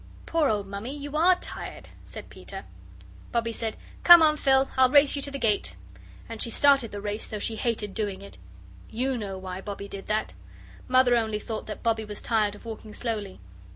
"Poor old Mammy, you ARE tired," said Peter. Bobbie said, "Come on, Phil; I'll race you to the gate." And she started the race, though she hated doing it. YOU know why Bobbie did that. Mother only thought that Bobbie was tired of walking slowly.